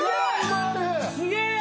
すげえ！